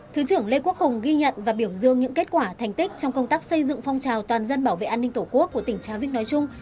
thứ trưởng lê quốc hùng ghi nhận và biểu dương những kết quả thành tích trong công tác xây dựng phong trào toàn dân bảo vệ an ninh tổ quốc của tỉnh trà vinh nói chung